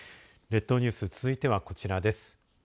列島ニュース続いてはこちらです。